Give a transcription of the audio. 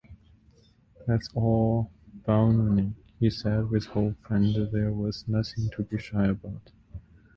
That’s all baloney,” he said with hope, “and there was nothing to be shy about.!